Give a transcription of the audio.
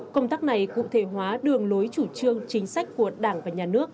công tác này cụ thể hóa đường lối chủ trương chính sách của đảng và nhà nước